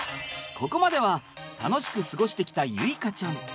ここまでは楽しく過ごしてきた結花ちゃん。